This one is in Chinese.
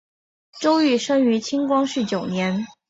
周珏生于清光绪九年。